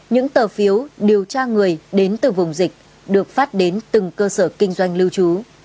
những tờ phiếu điều tra người đến từ vùng dịch được phát đến từng cơ sở kinh doanh lưu trú